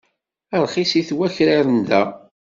Rxisit wakraren da.